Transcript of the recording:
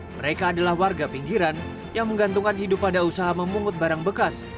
mereka adalah warga pinggiran yang menggantungkan hidup pada usaha memungut barang bekas